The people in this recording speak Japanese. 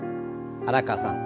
原川さん